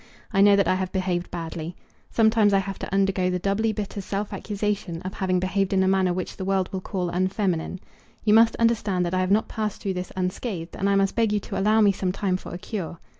I know that I have behaved badly. Sometimes I have to undergo the doubly bitter self accusation of having behaved in a manner which the world will call unfeminine. You must understand that I have not passed through this unscathed, and I must beg you to allow me some time for a cure.